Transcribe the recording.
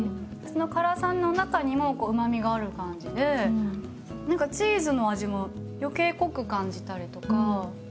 その辛さの中にもうまみがある感じで何かチーズの味も余計濃く感じたりとか。